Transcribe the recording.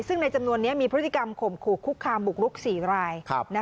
ซึ่งในจำนวนนี้มีพฤติกรรมข่มขู่คุกคามบุกลุก๔ราย